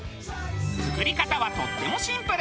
作り方はとってもシンプル。